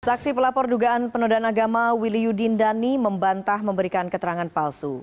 saksi pelapor dugaan penodaan agama willi yudin dhani membantah memberikan keterangan palsu